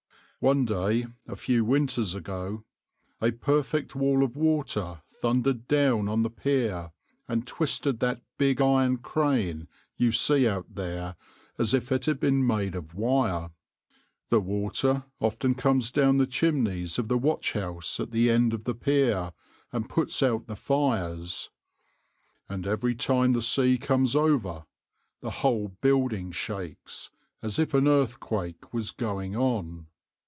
One day, a few winters ago, a perfect wall of water thundered down on the pier and twisted that big iron crane you see out there as if it had been made of wire. The water often comes down the chimneys of the watch house at the end of the pier and puts out the fires; and every time the sea comes over, the whole building shakes, as if an earthquake was going on.